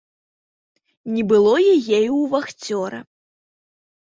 Не было яе і ў вахцёра.